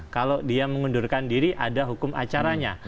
kalau dia mengundurkan diri ada hukum acaranya